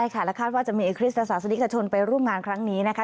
และคาดว่าจะมีอีกคริสต์และสาธารณีกระชนไปร่วมงานครั้งนี้นะคะ